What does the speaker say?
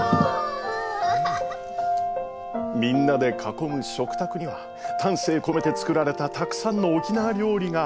みんなで囲む食卓には丹精込めて作られたたくさんの沖縄料理が。